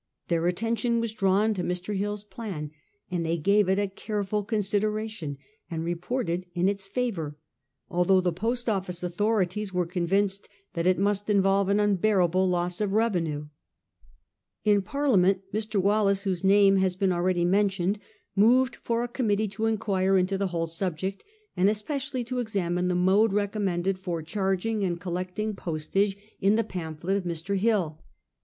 Their attention was drawn to Mr. Hill's plan, and they gave it a care ful consideration, and reported in its favour, although the Post Office authorities were convinced that it must involve an unbearable loss of revenue. In Par liament Mr. Wallace, whose name has been already mentioned, moved for a committee to inquire into the whole subject, and especially to examine the mode recommended for charging and collecting postage in 1839 40. 'THE NONSENSICAL PENNY POST SC HEME. * 97 the pamphlet of Mr. Hill.